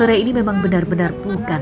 sore ini memang benar benar bukan